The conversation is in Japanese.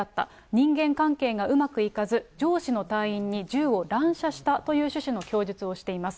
人間関係がうまくいかず、上司の隊員に銃を乱射したという趣旨の供述をしています。